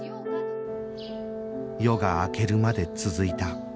夜が明けるまで続いた